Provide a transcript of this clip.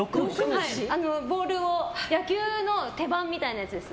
ボールを野球の手版みたいなやつです。